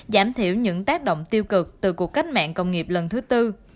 giảm thiểu những tác động tiêu cực từ cuộc cách mạng công nghiệp lần thứ tư